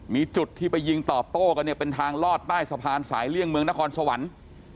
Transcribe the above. มีจุดที่ไปยิงตอบโต้กันเนี่ยเป็นทางลอดใต้สะพานสายเลี่ยงเมืองนครสวรรค์